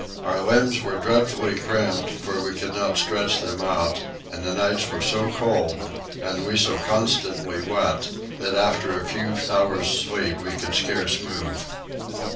Our limbs were dreadfully cramped for we could not stretch them out, and the nights were so cold, and we so constantly wet, that after a few hours sleep we could scarce move.